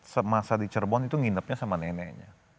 semasa di cirebon itu nginepnya sama neneknya